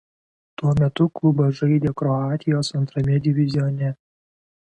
Tuo metu klubas žaidė Kroatijos antrame divizione.